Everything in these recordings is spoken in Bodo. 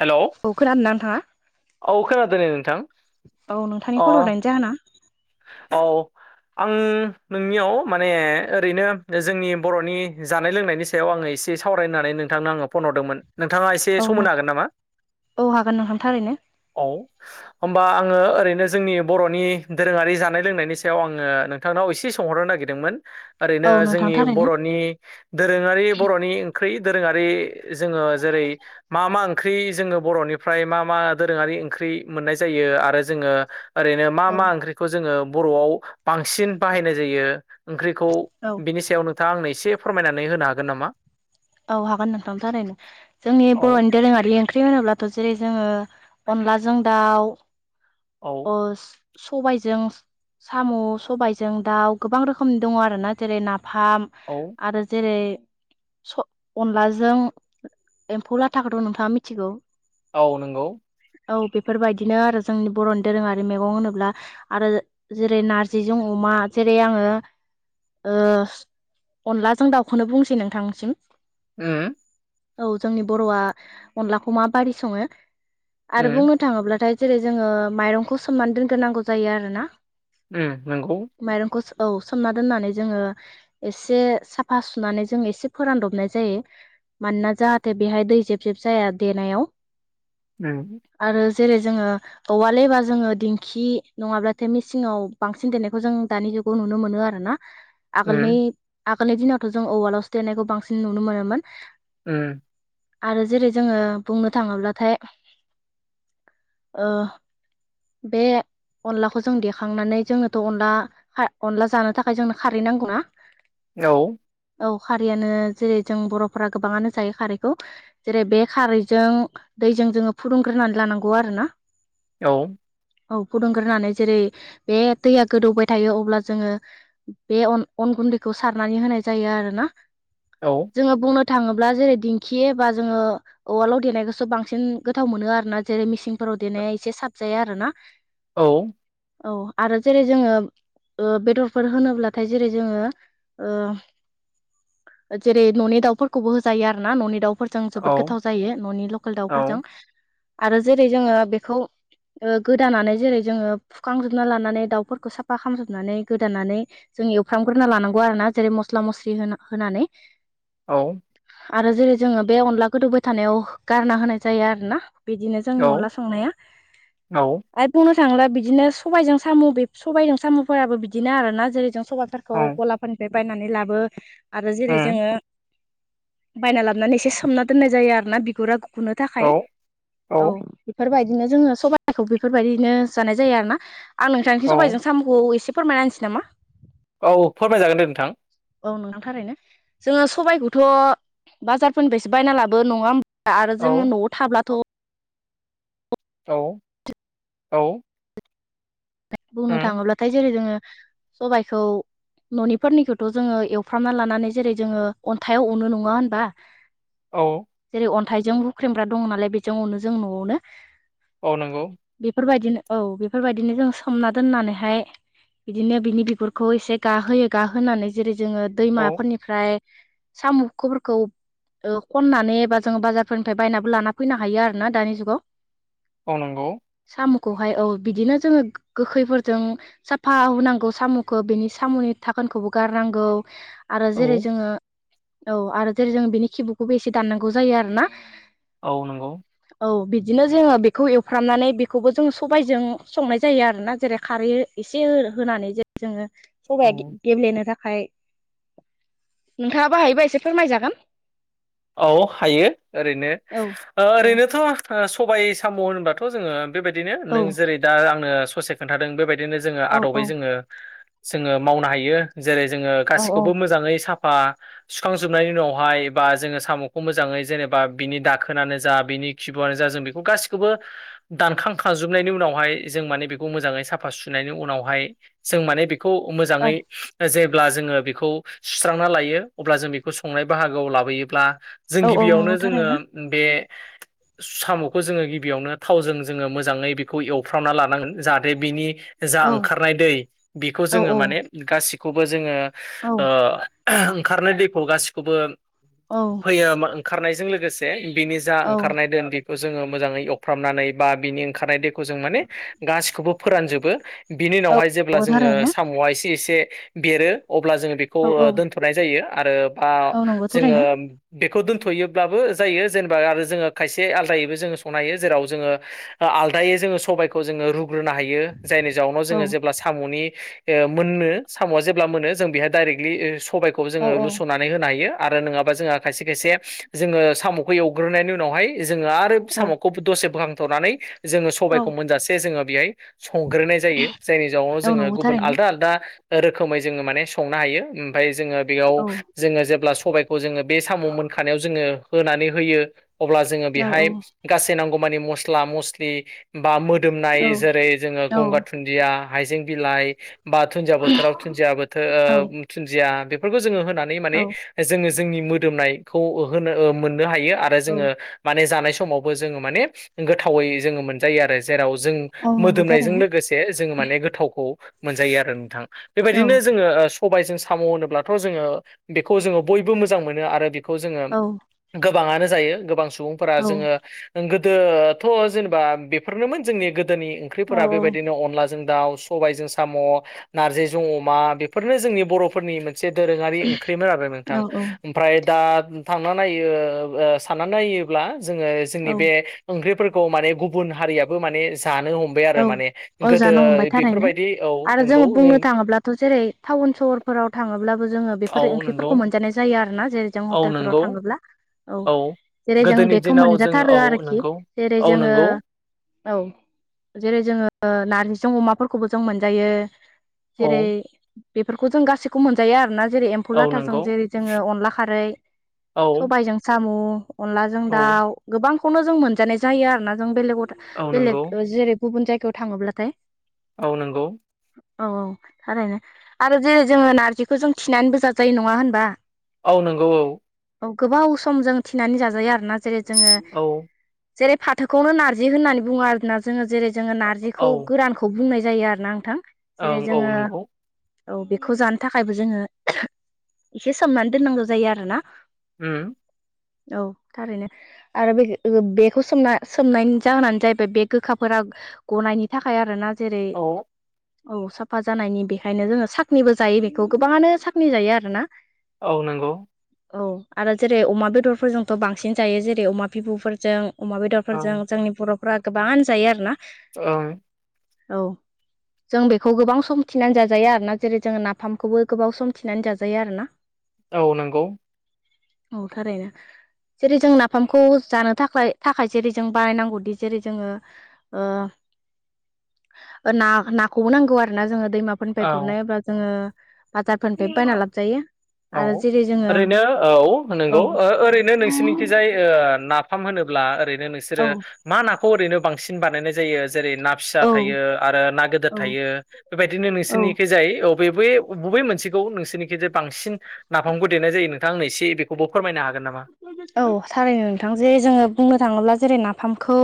हेलौ औ खोनादों ना नोंथाङा औ खोनादों दे नोंथां औ नोंथांनि अ खल हरनायनि जाहोना औ आं नोंनियाव माने ओरैनो जोंनि बर'नि जानाय लोंनायनि। सायाव आङो एसे सावरायनानै नोंथांनो आङो फन हरदोंमोन। नोंथाङा एसे औ सम होनो हागोन नामा? औ हागोन नोंथां थारैनो औ होमबा आङो ओरैनो जोंनि बर'नि। दोरोङारि जानाय लोंनायनि सायाव आङो नोंथांनाव एसे सोंहरनो नागिरदोंमोन। औ ओरैनो नोंथां जोंनि थारैनो बर'नि। दोरोङारि बर'नि ओंख्रि दोरोङारि जोङो जेरै- मा मा ओंख्रि जोङो बर'निफ्राय मा मा दोरोङारि ओंख्रि मोननाय जायो आरो जोंङो। ओरैनो मा औ मा ओंख्रिखौ जोङो बर'आव बांसिन बाहायनाय जायो ओंख्रिखौ? औ। बेनि सायाव नोंथाङा आंनो एसे फोरमायनानै होनो हागोन नामा? औ हागोन नोंथां थारैनो जोंनि औ बर'नि दोरोङारि। ओंख्रि होनोब्लाथ' जेरै जोङो अनलाजों दाउ। औ। सबायजों। साम' सबायजों दाउ गोबां रोखोमनि दङ आरो ना जेरै नाफाम। औ। आरो जेरै- अनलाजों एम्फौ लाथाखौथ' नोंथाङा मिथिगौ। औ नंगौ। औ बेफोरबायदिनो आरो जोंनि बर'नि दोरोङारि मैगं होनोब्ला। आरो जेरै नारजिजों अमा जेरै आंङो। ओ अनला जों दाउखौनो बुंसै नोंथांसिम। ओम। औ जोंनि बर'आ अनलाखौ माबोरि सङो? आरो उम बुंनो। थाङोब्लाथाय जेरै जोङो माइरंखौ सोमनानै दोनग्रोनांगौ जायो आरोना। उम नंगौ। माइरंखौ औ सोमना दोननानै जोङो एसे साफा सुनानै जों एसे। फोरानदबनाय जायो मानोना जाहाथे बेहाय दै जेब-जेब जाया देनायाव। उम आरो जेरै जोङो। औवालैबा जोङो दिंखि नङाब्लाथाय मेसिनाव बांसिन देनायखौ जों दानि जुगाव नुनो मोनो आरो ना। [inaudible] [unintelligible] आगोलनि आगोलनि दिनावथ' जों उवालाव स देरनायखौ बांसिन नुनो मोनोमोन। ओम। आरो जेरै जोङो बुंनो थाङोब्लाथाय। बे अनलाखौ जों देखांनानै जोङोथ' अनला। अनला जानो थाखाय जोंनो खारै नांगौ ना। औ। औ खारैयानो जेरै जों बर'फोरा गोबाङानो जायो खारैखौ। जेरै बे खारैजों दैजों जोङो फुदुंग्रोनानै लानांगौ आरो ना। औ। औ फुदुंग्रोनानै जेरै बे दैया गोदौबाय थायो अब्ला जोङो। बे अन गुन्दैखौ सारनानै होनाय जायो आरो ना। औ। जोङो बुंनो थाङोब्ला जेरै दिंखि बा जोङो। उवालाव देनायखौसो बांसिन गोथाव मोनो आरो ना जेरै मेसिंफोराव देनाया एसे साबजाया आरो ना। औ। औ आरो जेरै जोङो। बेदरफोर होनोब्लाथाय जेरै जोङो। ओ जेरै न'नि दाउफोरखौबो होजायो आरो ना न'नि दाउ फोरजों औ जोबोद गोथाव जायो न'नि लकेल औ दाउफोरजों आरो जेरै जोङो बेखौ गोदानानै जेरै जोङो फुखांजोबना लानानै दाउफोरखौ साफा खालामजोबनानै गोदानानै जोंनि एवफ्रामग्रोना लानांगौ आरो ना जेरै मस्ला मस्लि होन होनानै औ आरो जेरै जोङो बे अनला गोदौबाय थानायाव गारना होनाय जायो आरोना बिदिनो जोंनि अनला संनाया औ आरो बुंनो थाङोबला बिदिनो सबबायजों साम' बे सबायजों साम'फोराबो बिदिनो आरो ना जेरैजों सबायाइफोर खौ गलाफोरनिफ्राय बायनानै लाबो आरो जेरै जोङो बायना लाबानै एसे सोमना दोननाय जायो आरो ना बिगुरा गुनो औ थाखाय औ बेफोरबायदिनो जोङो सबाइखौ बेफोरबायदिनो जानाय जायो आरोना आं नोंथां औ सबाइजों साम'खौ एसे फोरमायनाांसै नामा औ फोरमायजागोन दे नोंथां औ नोंनांथारैनो जोङो सबबायखौथ' बाजारफोरनिफ्रायसो बायना लाबो नङा ह आरो जोङो औ न'आव थाब्लाथ' औ औ बुंनो थाङोब्लाथाय जेरै जोङो सबाइखौ न'निफोरनिखौथ' जोङो एवफ्रामना लानानै जेरै जोङो अन्थाइाव अनो नङा होनबा औ जेरै अन्थाइजों हुख्रेमग्रा दङ नालाय बेजों अनो जों न'आवनो औ नंगौ बेफोरबायदिनो औ बेफोरबायदिनो जों सोमना दोननानैहाय बिदिनो बिनि बिगुरखौ एसे गाहोयो गाहोनानै जेरै जोङो औ दैमाफोरनिफ्राय साम'फोरखौ खननानै एबा जोङो बाजारफोरनिफ्राय बायनानैबो लाना फैनो हायो आरो ना दानि जुगाव मावनांगौ साम'खौहाय औ बिदिनो जोङो गोखैफोरजों साफा होनांगौ साम'खौ बेनि साम'नि थाखोनखौबो गारनांगौ आरो औ जेरै जोङो औ आरो जेरै जों बेनि खिब'खौबो एसे दाननांगौ जायो आरोोना औ नंगौ। औ बिदिनो जोङो बेखौ एवफ्रामनानै बेखौबो जोङो सबायजों संनाय जायो आरो। ना जेरै खारै एसे होनानै जे जोङो औ सबाया गेब्लेनो थाख फाय नोंथाङाबो हायोबा एसे फोरमायजागोन। औ हायो ओरैनो औ औ ओरैनोथ' सबाय साम' होनोबा थ' जोङो बेबायदिनो औ नों जेरै दा आंनो ससे खोन्थादों बेबायद दिनो जोंङो औ आदबै औ जोङो जोङो मावनो हायो जेरै जोङो औ गासिखौबो मोजाङै साफ बा सुखांजोबनायनि उनावहाय बा जोङो साम'खौ मोजाङै जेनेबा बिनि दाखोनानो जा बिनि खिब'आनो जा जों बेखौ गासिखौबो दानखां खाजोबनायनि उनावहाय जों माने बेखौ मोजाङै साफा सुनायनि उनावहाय जों माने बेखौ मोजाङै जेब्ला जोङो बेखौ सुस्रांना लायो अब्ला जों बेखौ संनाय बाहागोआव लाबोयोब्ला जों औ औ गिबियावनो नंगौ थारैनो जोङो बे साम'खौ जोङो गिबियावनो थावजों जोङो मोजाङै बेखौ एवफ्रावना लानांगोन जाहाथे बिनि जा औ ओंखारनाय दै बेखौ औ जोङो माने गासिखौबो जोङो औ ओंखारनाय दैखौ गासिखौबो औ फैयो ओंखारनायजों लोगोसे बिनि जा औ ओंखारनाय दोनदि जोङो मोजाङै एवफ्रामनानै बा बिनि ओंखारनाय दैखौ जों माने गासिखौबो फोरानजोबो बिनि उनावहाय जेब्ला नंगौ जोङो थारैनो साम'आ एसे एसे बेरो अब्ला जोङो बेखौ औ औ हुरनाय जायो आरो बा औ नंगौ जोङो थारैनो बेखौ दोनथ'योब्लाबो जायो जेनेबा आरो जोङो खायसे आलादायैबो जोङो संनो हायो जेराव जोङो आलदायै जोङो सबबायखौ जोङो रुग्रोनो हायो जायनि जाउनाव औ जोङो जेब्ला साम'नि ओ मोननो साम'आ जेब्ला मोनो जों बेहाय दायरेक्लि सबायखौ औ जोङो औ लुस'ना होनो हायो आरो नोङाबा जोंहा खायसे खायसे जोङो साम'खौ एवग्रोनायनि उनावहाय जोङो आरो औ साम'खौ दसे बोखांथ'नानै जोङो औ सबायखौ मोनजासे जोङो बेहाय संग्रोनाय जायो जायनि जाउनाव औ जोङो नंगौ गुबुन थारैनो आलदा आलदा रोखोमै जोङो माने संनो हायो ओमफाय जोङो बेयाव औ जोङो जेब्ला सबायखौ जों बे साम' मोनखानायाव जोङो होनानै होयो अब्ला जोङो औ औ बेहाय गासै नांगौ मानि मस्ला मस्लि बा औ मोदोमनाय जेरै जोङो गंगार थुन दिया हायजें बिलाइ बा दुन्दिया बोथोराव दुन्दिया बोथो ओ थुन्दिया बेफोरखौ जोङो होनानै माने औ जोङो जोंनि मो मोदोमनायखौ होनो मोननो हायो आरो औ जोङो माने जानाय समावबो जोङो माने गोथावै जोङो मोनजायो आरो जेराव जों नंगौ मोदोमनायजों थारैनो औ लोगोसे जोङो माने गोथावखौ मोनजायो आरो नोंथां बेबायदिनो जोङो ओ सबायजों साम' होनोब्लाथ' जोङो बेखौ जोङो बयबो मोजां मोनो आरो बेखौ जोङो गोबाङानो जायो गोबां सुबुंफोरा जोङो गोदोथ' जेनेबा बेफोरनोमोन जोंनि गोदोनि ओंख्रिफोरा बेबायदिनो अनलाजों दाउ सबायजों साम', नारजिजों अमा बेफोरनो जोंनि बर'फोरनि मोन मसे दोरोङारि ओंख्रिमोन आरो नोंथां। औ ओमफ्राय दा थांना नायो सानना नायोब्ला जोङो जोंनि बे ओंख्रिफोरखौ माने गुबुन हारियाबो माने जानो हम औ औ जानो हमबाय थारैनो औ आरो नंगौ जोङो बुंनो थाङोब्लाथ' जेरै टाउन सहरफोराव थाङोब्लाबो जोङो औ बेफोर नंगौ ओंख्रिफोरखौ मोनजानाय जायो आरो ना जेरै जों औ हटेलफोराव नंगौ थाङोब्ला। औ जेरै जों गोदोनि बेखौ दिनाव जों मोनजाथारो औ आरोखि नंगौ जेरै औ जोङो नंगौ औ। जेरै जोङो नारजिजों अमाफोरखौबो जों मोनजायो जेरै औ बेफोरखौ जों गासैखौबो मोनजायो आरोना जेरै एम्फौ औ लाथाजों नंगौ जेरै जोङो अनला खारै। औ सबायाइजों सामु। अनलाजों औ दाउ गोबांखौनो जों मोनजानाय जायो आरो ना जों बेलेगथ औ नंगौ बेलेग जेरै गुबुन जायगायाव थाङोब्लाथाय औ नोंगौ। औ औ थारैनो। आरो जेरै जोङो नारजिखौ जों थिनानैबो जाजायो नङा होनबा। औ नंगौ औ औ गोबाव सम जों थिनानै जाजायो आरोना जेरै जोङो औ जेरै फाथोखौनो नार्जि होननानै बुङो आरोना जोङो जेरै जोङो नारजिखौ औ गोरानखौ खौ बुंनाय जायो आरोना आंथां जेरै ओं औ जोङो नंगौ औ बेखौ जानो थाखायबो जोङो एसे सोमनानै दोननांगौ जायो आरोना उम औ थारैनो आरो बे बेखौ सोमना सोमनायनि जाहोनानो जाहैबाय बे गोखाफोरा गनायनायनि थाखाय आरो ना जेरै औ औ साफा जानायनि बेखायनो जोङो साखनिबो जायो बेखौ गोबाङानो साखनि जायो आरो ना। औ नोंगौ। औ आरो जेरै अमा बेदरफोरजोंथ' बांसिन जायो जेरै अमा बिबुफोरजों अमा ओं बेदरफोरजों जोंनि बर'फ्रा गोबां जायो आरोना। ओं। औ जों बेखौ गोबां सम थिनानै जाजाया आरो ना जेरै जोंङ नाफामखौबो गोबाव सम थिनानै जाजा आरो ना औ नंगौ औ थारैनो जेरै जों नाफामखौ जानो थाखाय थाखाय जेरै जों बानायनांगौदि जेरै जोङो ना नाखौबो नांगौ आरोना जोङो दैमाफोरनिफ्राय गुरनायाब्ला जोङो बाजारफोरनिफ्राय बायना औ लाबोजायो औ ओरैनो औ नंगौ ओरैनो नोंसिनि जाय नाफाम होनोब्ला ओरैनो नोंसोरो मा नाखौ ओरैनो बांसिन बानायनाय जायो जेरै ना फिसा औ थायो आरो ना गदेर औ थायो बेबायदिनो औ नोंसोरनिखै जाय बे बबे मोनसे मोनसेखौ नोंसोरनिखि जे बांसिन नाफामखौ देनाय जायो नोंथां आंनो एसे बेखौबो फोरमायनो हागोन नामा औ थारैनो नोंथां जे जोङो बुंनो थाङोब्ला जेरै नाफामखौ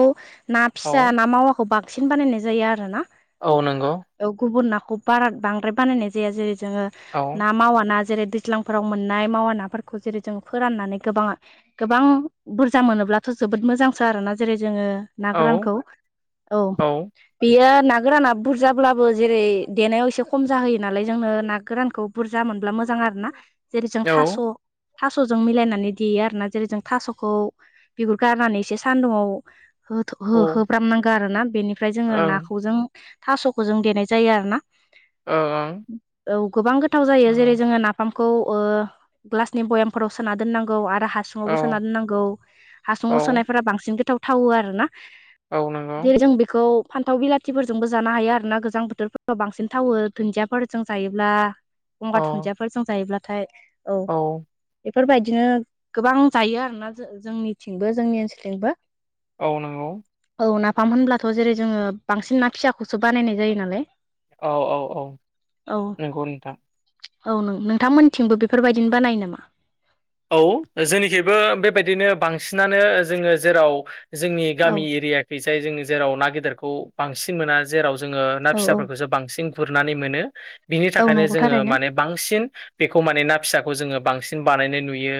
ना औ फिसा ना मावाखौ बांसिन बानायनाय जायो आरो ना औ नंगौ औ गुबुन नाखौ बारा बांद्राय बानायनाय जाया जेरै जोङो औ ना मावा ना जेरै दैज्लां फोराव मोननाय मावा नाफोरखौ जेरै जों फोराननानै गोबाङा गोबां बुरजा मोनोब्लाथ' जोबोद मोजांसो आरोना जेरै जोङो ना औ गोरानखौ औ बेयो ना गोराना बुरजाब्लाबो जेरै देनायाव एसे खम जाहोयो नालाय जोंनो ना गोरानखौ बुरजा मोनब्ला मोजां आरो ना जेरै जों औ थास' थास'जों मिलायनानै देयो आरोना जेरै जों थास'खौ बिगुर गारनानै एसे सानदुंआव हो होब्रामनांगौ आरो ना बेनिफ्राय जोङो ओं नाखौ जों थास'खौ जों देनाय जायो आरो ना ओ औ औ गोबां गोथाव जायो जेरै जोङो नाफामखौ ग्लासनि बयामफोराव सोना दोननांगौ आरो हासुुंआवबो सोना ओं दोननांगौ औ हासुआव सोनायफोरा बांसिन गोथावथावो आरोना औ नंगौ दे जों बेखौ फान्थाव बिलाथिफोरजोंबो जानो हायो आरो ना गोजां बोथोरफोराव बांसिन थावो दुन्दियाफोरजों जायोब्ला गंगार औ धुनदियाफोरजों जायोब्लाथाय औ बेफोरबायदिनो गोबां जायो आरोना जोंनिथिंबो जोंनि ओनसोलथिंबो औ नंगौ औ नाफाम होनब्लाथ' जेरै जोङो बांसिन ना फिसाखौसो बानायनाय जायो नालाय औ औ औ औ नंगौ नोंथां औ नों नोंथांमोनथिंबो बेफोरबायदिनो बानायो नामा औ जोंनिखिबो बेबायदिनो बांसिनानो जोङो जेराव जोंनि औ गामि एरियाखैजाय जों जेराव ना गिदिरखौ बांसिन बांसिन मोना जेराव जोङो ना औ औ फिसाफोरखौसो बांसिन गुरनानै मोनो बिनि औ थाखायनो नंगौ जोङो थारैनो माने बांसिन बेखौ माने ना फिसाखौ जोङो बांसिन बानायनाय नुयो बियो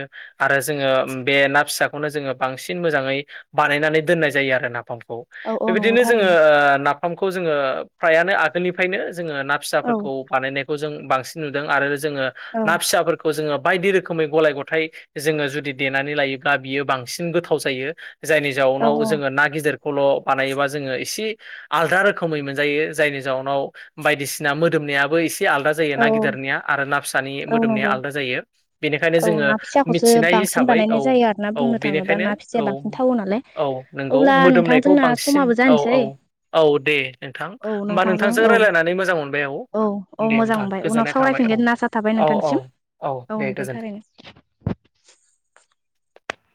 आरो जोङो बे ना फिसाखौनो जोङो बांसिन मोजाङै बानायनानै दोननाय जायो आरो नाफामखौ औ औ नंगौ बेबायदिनो जोङो थारैनो ना नाफामखौ जोङो फ्रायानो आगोलनिफ्रायनो जोङो ना औ फिसाफोरखौ बानायनायखौ जों बांसिन नुदों आरो जोङो औ ना फिसाफोरखौ जोङो बायदि रोखोमै गलाय गथ' गथाय जोङो जुदि देनानै लायोब्ला बियो बांसिन गोथाव जायो जायनि औ जाउनाव जोङो ना गिदिरखौल' बानायोबा जोङो एसे आलदा रोखोमै मोनजायो जायनि जाउनाव बायदिसिना मोदोमनायाबो एसे आलादा जायो औ ना गिदिरनिया आरो ना फिसानि औ मोदोमनिया नंगौ आलदा जायो बेनिखायनो औ जोङो ना फिसाखौसो मिथिनाय बांसिन हिसाबै औ बानायनाय जायो आरोना औ बुंनो थाङोब्ला बेनिखायनो ना फिसाया औ बांसिन थावो नालाय औ नोंगौ अब्ला नोंथां मोदोमनायखौ जोंना बांसिन समाबो औ जानोसै औ औ दे नोंथां औ होमबा नोंथांजों औ रायलायनानै मोजां मोनबाय औ औ दे मोजां होमबा मोनबाय उनाव गोजोननाय थाबाय सावरायफिनगोन औ होनना आसा थाबाय औ औ नोंथांसिम औ दे नोंथां गोजोन्थों थारैनो